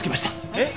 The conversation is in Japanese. えっ？